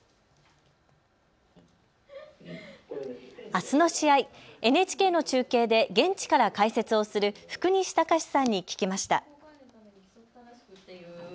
あすの試合、ＮＨＫの中継で現地から解説をする福西崇史さんに聞きました。